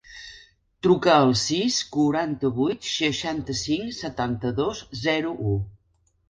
Truca al sis, quaranta-vuit, seixanta-cinc, setanta-dos, zero, u.